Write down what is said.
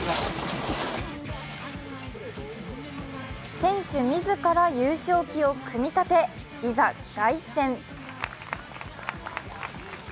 選手自ら優勝旗を組み立ていざ、凱旋。